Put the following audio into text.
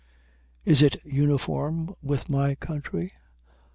Is it uniform with my country?